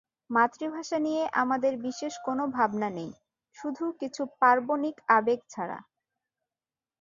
মাতৃভাষা নিয়ে আমাদের বিশেষ কোনো ভাবনা নেই, শুধু কিছু পার্বণিক আবেগ ছাড়া।